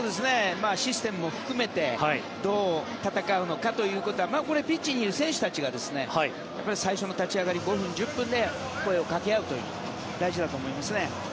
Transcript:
システムも含めてどう戦うのかということはこれはピッチにいる選手たちが最初の立ち上がり５分１０分で声をかけ合うことが大事だと思います。